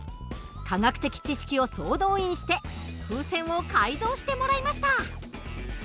科学的知識を総動員して風船を改造してもらいました。